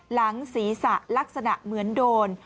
หลังศีรษะลักษณะเหมือนโดน